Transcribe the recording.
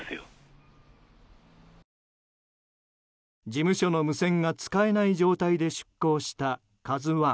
事務所の無線が使えない状態で出航した「ＫＡＺＵ１」。